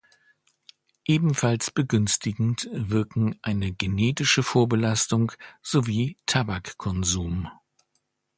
Ebenfalls begünstigend wirken eine genetische Vorbelastung sowie Tabakkonsum.